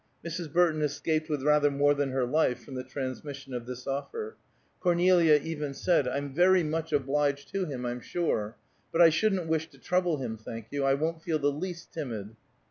Mrs. Burton escaped with rather more than her life from the transmission of this offer. Cornelia even said, "I'm very much obliged to him, I'm sure. But I shouldn't wish to trouble him, thank you. I won't feel the least timid."